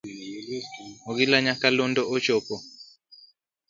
Ogila nyakalondo ochopo.